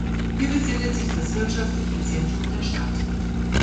Hier befindet sich das wirtschaftliche Zentrum der Stadt.